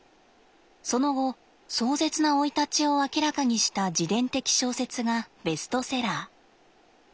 その後壮絶な生い立ちを明らかにした自伝的小説がベストセラー。